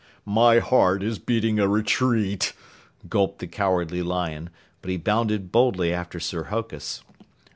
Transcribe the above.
"My heart is beating a retreat," gulped the Cowardly Lion, but he bounded boldly after Sir Hokus.